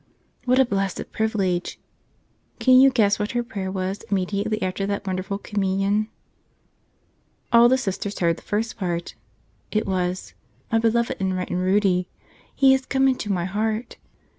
What a blessed privilege! Can you guess what her prayer was immediately after that wonder¬ ful Communion? All the Sisters heard the first part. It was, ''My Beloved in white and ruddy! He is come into my heart